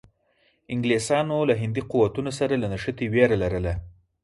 انګلیسانو له هندي قوتونو سره له نښتې وېره لرله.